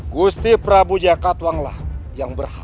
gusti prabu jakatwanglah yang berhak